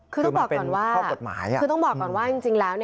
คือต้องบอกก่อนว่าคือต้องบอกก่อนว่าจริงแล้ว